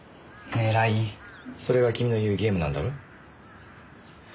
それが君の言うゲームなんだろ？